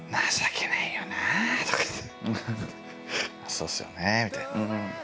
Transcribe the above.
「そうですよね」みたいな。